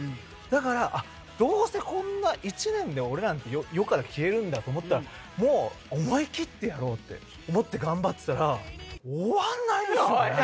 だからどうせこんな１年で俺らなんて世から消えるんだと思ったらもう思い切ってやろうって思って頑張ってたら終わらないんですよね。